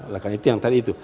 lekan itu yang tadi itu